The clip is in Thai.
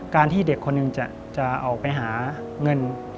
ที่เด็กคนหนึ่งจะออกไปหาเงิน